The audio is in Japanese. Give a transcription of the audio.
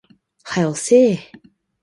早よせえ